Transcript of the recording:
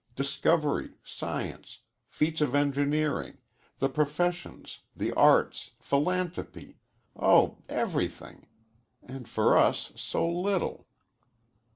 Discovery, science, feats of engineering, the professions, the arts, philanthropy oh, everything! And for us, so little!"